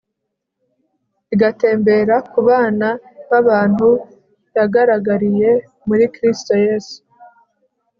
igatembera ku bana babantu yagaragariye muri Kristo Yesu